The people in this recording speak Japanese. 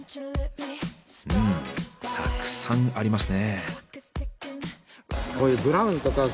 うんたくさんありますね。